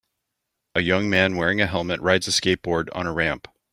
A young man wearing a helmet rides a skateboard on a ramp.